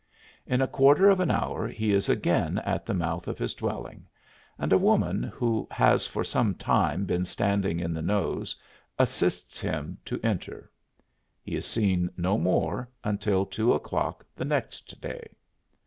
In a quarter of an hour he is again at the mouth of his dwelling, and a woman, who has for some time been standing in the nose, assists him to enter. He is seen no more until two o'clock the next day.